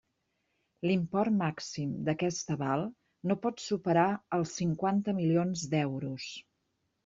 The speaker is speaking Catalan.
L'import màxim d'aquest aval no pot superar els cinquanta milions d'euros.